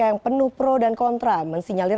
yang penuh pro dan kontra mensinyalir